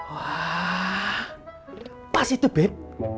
wah pas itu beb